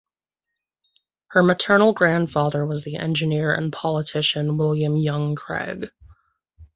Her maternal grandfather was the engineer and politician William Young Craig.